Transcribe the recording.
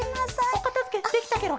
おかたづけできたケロ。